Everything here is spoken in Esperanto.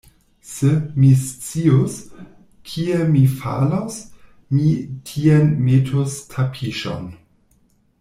Se mi scius, kie mi falos, mi tien metus tapiŝon.